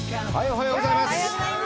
おはようございます。